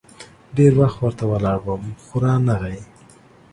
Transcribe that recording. ډېر وخت ورته ولاړ وم ، خو رانه غی.